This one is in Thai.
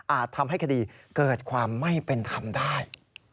ทำให้คดีเกิดความไม่เป็นธรรมได้